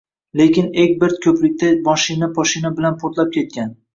Lekin Egbert ko`prikda moshina-poshina bilan portlab ketgan